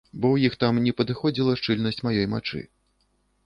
Бо ў іх там не падыходзіла шчыльнасць маёй мачы.